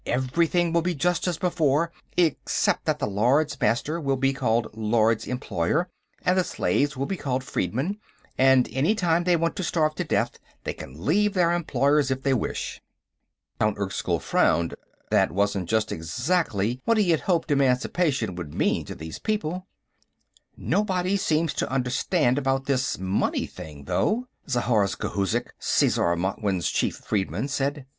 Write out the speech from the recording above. "Everything will be just as before, except that the Lords Master will be called Lords Employer, and the slaves will be called freedmen, and any time they want to starve to death, they can leave their Employers if they wish." Count Erskyll frowned. That wasn't just exactly what he had hoped Emancipation would mean to these people. "Nobody seems to understand about this money thing, though," Zhorzh Khouzhik, Sesar Martwynn's chief freedman said.